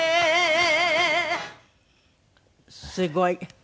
すごい！